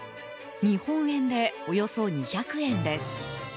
日本円でおよそ２００円です。